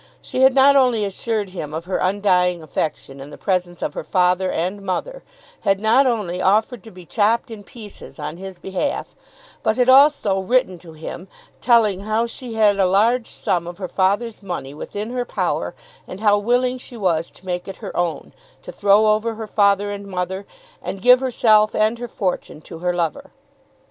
She had not only assured him of her undying affection in the presence of her father and mother, had not only offered to be chopped in pieces on his behalf, but had also written to him, telling how she had a large sum of her father's money within her power, and how willing she was to make it her own, to throw over her father and mother, and give herself and her fortune to her lover.